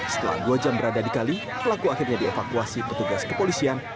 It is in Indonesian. setelah dua jam berada di kali pelaku akhirnya dievakuasi petugas kepolisian